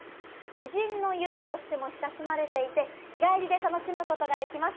美人の湯としても親しまれていて、日帰りで楽しむことができます。